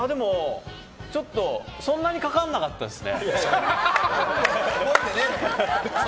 そんなにかからなかったですね。